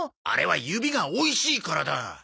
あれは指がおいしいからだ。